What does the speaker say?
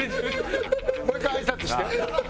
もう１回あいさつして。